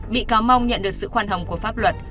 bị cáo mong nhận được sự khoan hồng của pháp luật